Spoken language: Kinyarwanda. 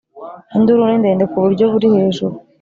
Induru ni ndende ku buryo buri hejuru